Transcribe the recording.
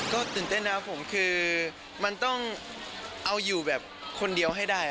ก็ตื่นเต้นนะครับผมคือมันต้องเอาอยู่แบบคนเดียวให้ได้